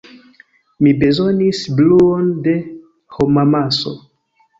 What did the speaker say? Mi bezonis bruon de homamaso.